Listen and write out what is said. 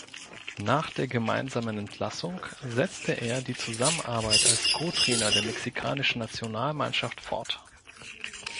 Nach der gemeinsamen Entlassung setzte er die Zusammenarbeit als Co-Trainer der mexikanischen Nationalmannschaft fort.